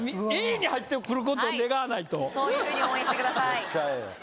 Ａに入ってくることを願わないとそういうふうに応援してください